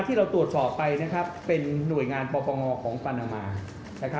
ที่เราตรวจสอบไปเป็นหน่วยงานปปงของปานามา